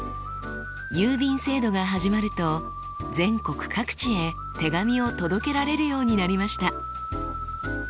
郵便制度が始まると全国各地へ手紙を届けられるようになりました。